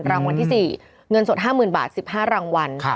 รางวัลที่๔เงินสด๕๐๐๐บาท๑๕รางวัล